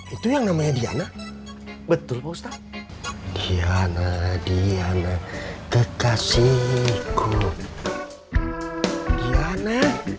itu yang namanya diana betul posta diana diana kekasihku diana